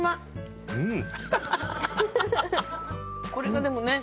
これがでもね。